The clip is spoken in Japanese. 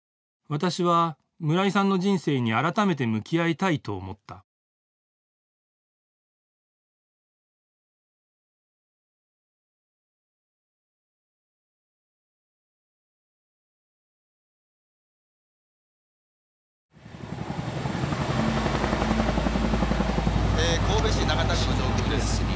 私は村井さんの人生に改めて向き合いたいと思った「神戸市長田区の上空です。